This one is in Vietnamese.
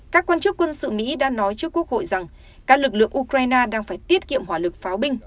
các quan chức quân sự mỹ đã nói trước quốc hội rằng các lực lượng ukraine đang phải tiết kiệm hòa lực pháo binh